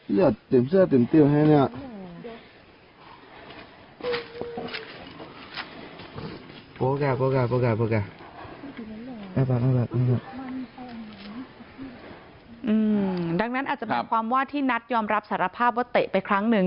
ดังนั้นอาจจะเป็นความว่าที่นัทยอมรับสารภาพว่าเตะไปครั้งหนึ่ง